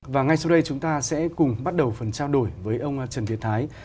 và ngay sau đây chúng ta sẽ cùng bắt đầu phần trao đổi với ông trần việt thái